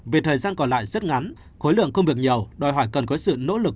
về thời gian còn lại rất ngắn khối lượng công việc nhiều đòi hỏi cần có sự nỗ lực